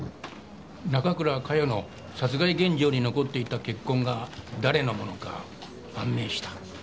中倉佳世の殺害現場に残っていた血痕が誰のものか判明した。